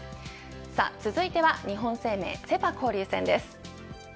続いては日本生命セ・パ交流戦です。